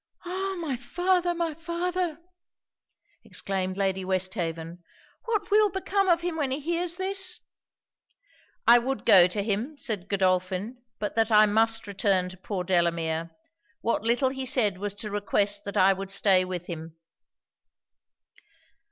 'Oh! my father! my father!' exclaimed Lady Westhaven, 'what will become of him when he hears this?' 'I would go to him,' said Godolphin, 'but that I must return to poor Delamere. What little he said was to request that I would stay with him.'